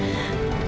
raja itu hancur